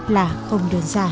là không đơn giản